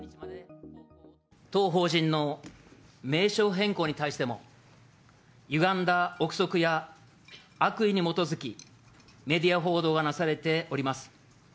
当法人の名称変更に対しても、ゆがんだ臆測や、悪意に基づき、メディア報道がなされております。